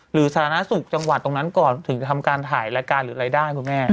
สาธารณสุขจังหวัดตรงนั้นก่อนถึงจะทำการถ่ายรายการหรือรายได้คุณแม่